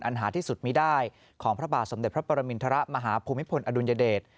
หาที่สุดไม่ได้ของพระบาทสมเด็จพระปรมินทรมาฮภูมิพลอดุลยเดช